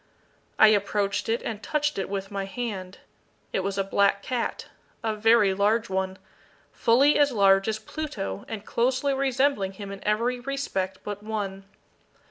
I approached it, and touched it with my hand. It was a black cat a very large one fully as large as Pluto, and closely resembling him in every respect but one.